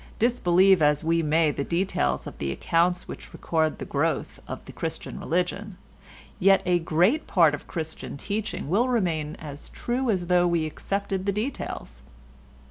Disbelieve as we may the details of the accounts which record the growth of the Christian religion, yet a great part of Christian teaching will remain as true as though we accepted the details.